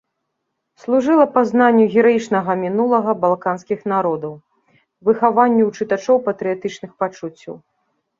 Служыла пазнанню гераічнага мінулага балканскіх народаў, выхаванню ў чытачоў патрыятычных пачуццяў.